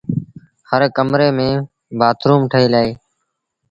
هر ڪمري ميݩ بآٿروم ٺهيٚل اهي۔